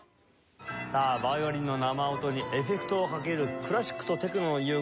さあヴァイオリンの生音にエフェクトをかけるクラシックとテクノの融合。